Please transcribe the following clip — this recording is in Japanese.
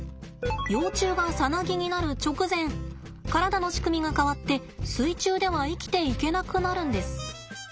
幼虫がさなぎになる直前体の仕組みが変わって水中では生きていけなくなるんです。